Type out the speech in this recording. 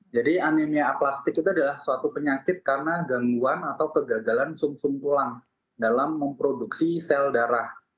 jadi anemia aplastik itu adalah suatu penyakit karena gangguan atau kegagalan sum sum tulang dalam memproduksi sel darah